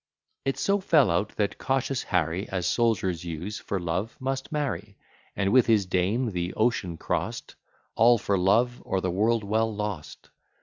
It so fell out that cautious Harry, As soldiers use, for love must marry, And, with his dame, the ocean cross'd; (All for Love, or the World well Lost!)